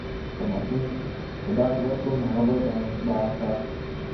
که ماشوم ته ډاډ ورکړو، نو هغه به بااحساسه سي.